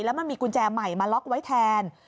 แล้วมันมีกุญแจใหม่มาล็อกไว้แทน